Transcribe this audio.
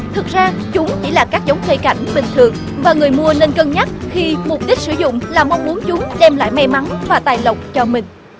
thực ra chúng chỉ là các giống cây cảnh bình thường và người mua nên cân nhắc khi mục đích sử dụng là mong muốn chúng đem lại may mắn và tài lộc cho mình